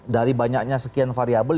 dari banyaknya sekian variable